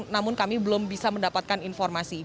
namun kami belum bisa mendapatkan informasi